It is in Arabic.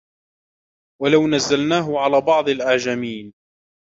وَلَوْ نَزَّلْنَاهُ عَلَى بَعْضِ الْأَعْجَمِينَ